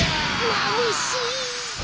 まぶしい！